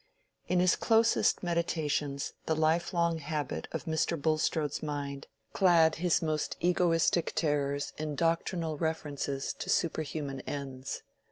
In his closest meditations the life long habit of Mr. Bulstrode's mind clad his most egoistic terrors in doctrinal references to superhuman ends.